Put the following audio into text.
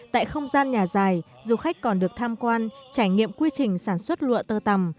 tại không gian nhà dài du khách còn được tham quan trải nghiệm quy trình sản xuất lụa tơ tầm